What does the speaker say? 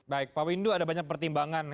baik pak windu ada banyak pertimbangan